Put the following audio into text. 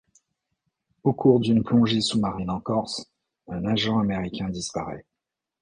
Au cours d'une plongée sous-marine en Corse, un agent américain disparaît.